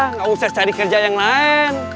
nggak usah cari kerja yang lain